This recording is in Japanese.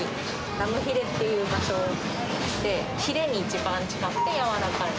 ラムヒレっていう場所で、ヒレに一番近くて柔らかい。